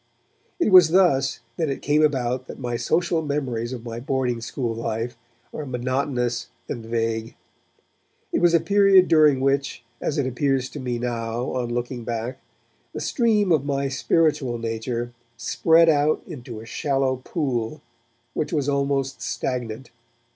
It was thus that it came about that my social memories of my boarding school life are monotonous and vague. It was a period during which, as it appears to me now on looking back, the stream of my spiritual nature spread out into a shallow pool which was almost stagnant.